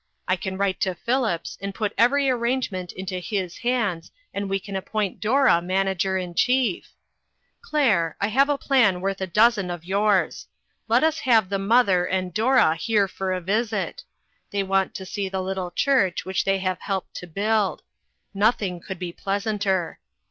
I can write to Phillips, and put every arrangement into his hands and we can appoint Dora manager in chief. " Claire, I have a plan worth a dozen of yours. Let us have the mother and Dora here for a visit. They want to see the lit tle church which they have helped to build. Nothing could be pleasanter.